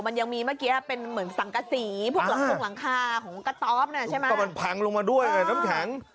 มันยังมีเมื่อกี้เป็นเหมือนสังกษีพวกหลังคงหลังคาของกระต๊อบน่ะใช่ไหมก็มันพังลงมาด้วยน้ำแข็ง